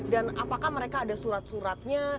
dan apakah mereka ada surat suratnya